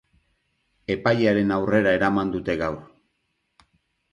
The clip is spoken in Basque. Epailearen aurrera eraman dute gaur.